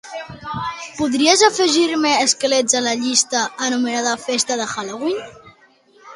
Podries afegir-me esquelets a la llista anomenada "festa de Halloween"?